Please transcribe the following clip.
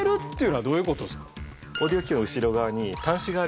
はい。